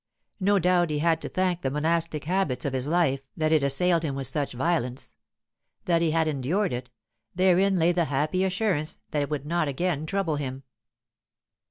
No doubt he had to thank the monastic habits of his life that it assailed him with such violence. That he had endured it, therein lay the happy assurance that it would not again trouble him.